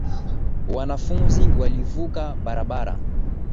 Wanafunzi walivuka barabara